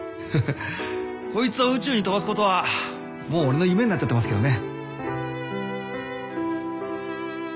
こいつを宇宙に飛ばすことはもう俺の夢になっちゃってますけどね。